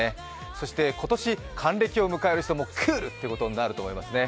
そして、今年、還暦を迎える人もクール！ということになると思いますね。